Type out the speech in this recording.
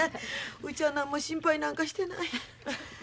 うちは何も心配なんかしてない。